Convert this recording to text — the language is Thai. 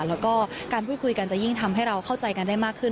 แล้วก็การพูดคุยกันจะยิ่งทำให้เราเข้าใจกันได้มากขึ้น